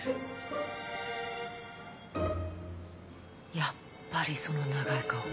やっぱりその長い顔。